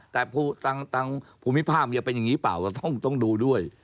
แต่ทางภูมิภาพมันจะเป็นอย่างนี้เปล่าก็ต้องดูด้วย